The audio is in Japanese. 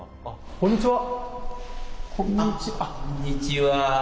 こんにちは。